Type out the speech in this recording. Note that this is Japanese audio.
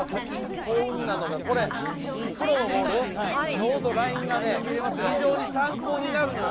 ちょうどラインがね非常に参考になるのよ。